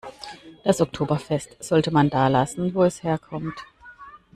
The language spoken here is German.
Das Oktoberfest sollte man da lassen, wo es herkommt.